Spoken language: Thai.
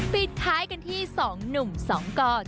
ปิดท้ายกันที่๒หนุ่ม๒กร